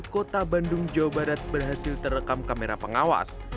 kota bandung jawa barat berhasil terekam kamera pengawas